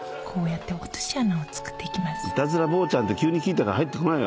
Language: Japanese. イタズラ坊ちゃんって急に聞いたから入ってこないよ。